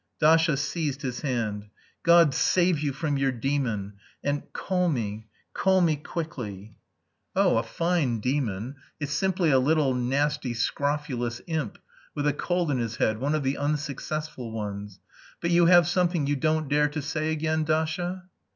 Dasha seized his hand. "God save you from your demon, and... call me, call me quickly!" "Oh! a fine demon! It's simply a little nasty, scrofulous imp, with a cold in his head, one of the unsuccessful ones. But you have something you don't dare to say again, Dasha?"